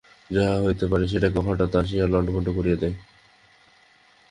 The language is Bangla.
যাহা হইতে পারিত সেটাকে সে হঠাৎ আসিয়া লণ্ডভণ্ড করিয়া দেয়।